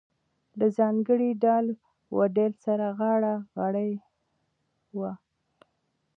له ځانګړي ډال و ډیل سره غاړه غړۍ وه.